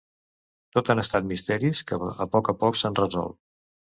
Tot han estat misteris que a poc a poc s'han resolt.